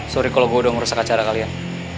sorry kalo gua udah ngerusak acara kalian